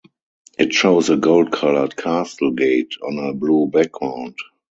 It shows a gold-colored castle gate on a blue background.